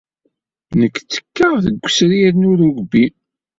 Nekk ttekkaɣ deg wesrir n urugby.